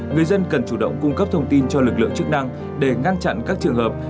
người dân cần chủ động cung cấp thông tin cho lực lượng chức năng để ngăn chặn các trường hợp